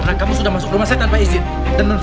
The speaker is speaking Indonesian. ayo lain kali jangan buat keributan di rumah manjikan saya ya